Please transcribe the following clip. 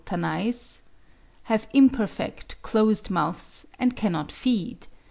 g. Tanais) have imperfect, closed mouths, and cannot feed.